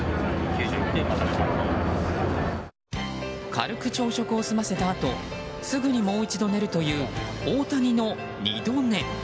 軽く朝食を済ませたあとすぐにもう一度寝るという大谷の二度寝。